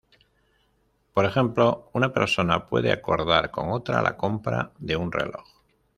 Por ejemplo, una persona puede acordar con otra la compra de un reloj.